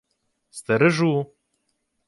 — Стережу.